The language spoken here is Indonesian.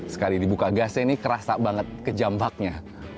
sekali dibuka gasnya nih kerasa banget ke jambaknya